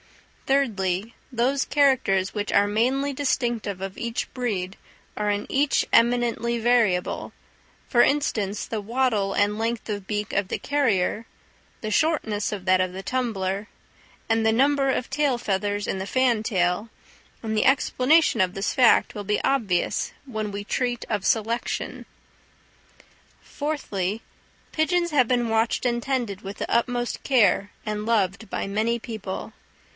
Thirdly, those characters which are mainly distinctive of each breed are in each eminently variable, for instance, the wattle and length of beak of the carrier, the shortness of that of the tumbler, and the number of tail feathers in the fantail; and the explanation of this fact will be obvious when we treat of selection. Fourthly, pigeons have been watched and tended with the utmost care, and loved by many people.